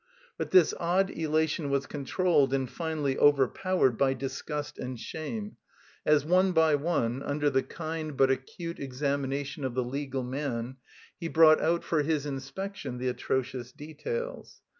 But this odd elation was controlled and finally overpowered by disgust and shame, as one by one, under the kind but acute examination of the legal man, he brought out for his inspection the atrocious details.